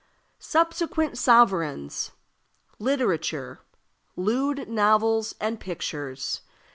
Subsequent Sovereigns. Literature. Lewd Novels and Pictures.